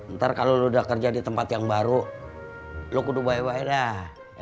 ntar kalau lo udah kerja di tempat yang baru lo kudu bai bai lah